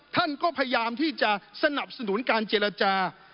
ท่านก็พยายามที่จะสนับสนุนการเจรจา